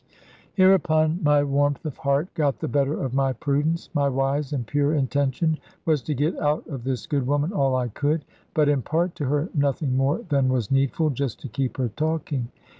Hereupon my warmth of heart got the better of my prudence. My wise and pure intention was to get out of this good woman all I could; but impart to her nothing more than was needful, just to keep her talking.